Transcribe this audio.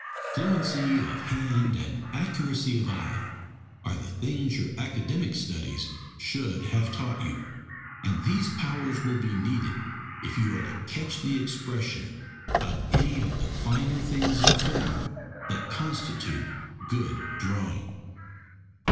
Fluency of hand and accuracy of eye are the things your academic studies should have taught you, and these powers will be needed if you are to catch the expression of any of the finer things in form that constitute good drawing.